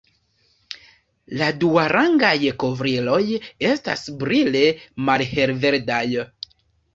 La duarangaj kovriloj estas brile malhelverdaj.